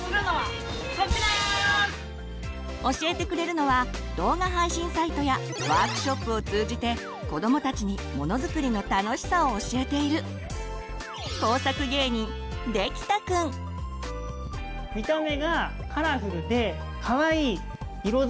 教えてくれるのは動画配信サイトやワークショップを通じて子どもたちにものづくりの楽しさを教えている今日はラッパと笛を作ります。